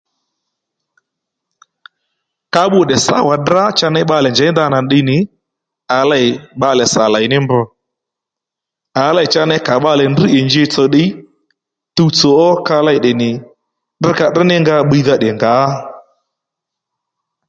Ka bbû tdè sáwà tdrá cha ney bbalè njěy ndanà ddiy nì à lêy bbalè sà lèy ní mb à lêy cha ney kà bbalè ndrŕ ì njitsò ddiy tuwtsò ó ka lêy tdè nì tdrŕ ka tdrŕ ní nga bbiydha tdè ngǎ